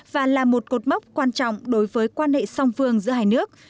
và là một cột mốc quan trọng đối với quan hệ song phương giữa hai nước